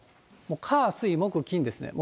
火、水、木、金ですね。